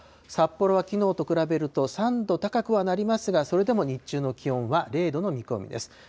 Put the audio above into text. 札幌はきのうと比べると３度高くはなりますが、それでも日中の気温は０度の見込みです。